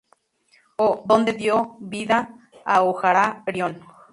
Oh" donde dio vida a Oh Ja-ryong.